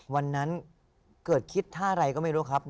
วันนั้นเกิดคิดท่าอะไรก็ไม่รู้ครับ